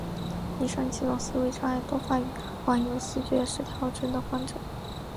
以上几种思维障碍多发于患有思觉失调症的患者。